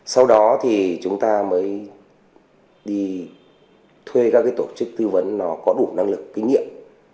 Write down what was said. sau đó thì chúng ta mới đi thuê các tổ chức tư vấn nó có đủ năng lực kinh nghiệm